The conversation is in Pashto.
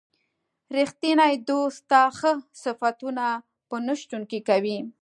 ریښتینی دوست ستا ښه صفتونه په نه شتون کې کوي.